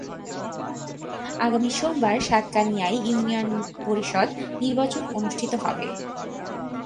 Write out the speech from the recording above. আগামী সোমবার সাতকানিয়ায় ইউনিয়ন পরিষদ নির্বাচন অনুষ্ঠিত হবে।